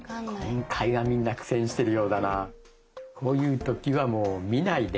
今回はみんな苦戦してるようだな。